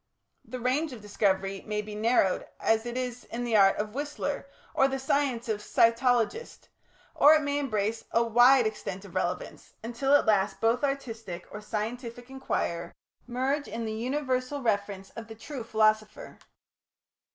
The range of discovery may be narrowed as it is in the art of Whistler or the science of a cytologist, or it may embrace a wide extent of relevance, until at last both artist or scientific inquirer merge in the universal reference of the true philosopher.